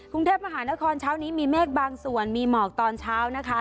กรุงเทพมหานครเช้านี้มีเมฆบางส่วนมีหมอกตอนเช้านะคะ